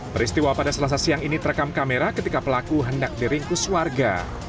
peristiwa pada selasa siang ini terekam kamera ketika pelaku hendak diringkus warga